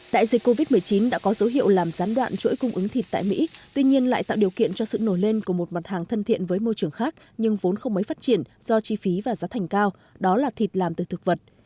đại dịch covid một mươi chín đã có dấu hiệu làm gián đoạn chuỗi cung ứng thịt tại mỹ tuy nhiên lại tạo điều kiện cho sự nổi lên của một mặt hàng thân thiện với môi trường khác nhưng vốn không mấy phát triển do chi phí và giá thành cao đó là thịt làm từ thực vật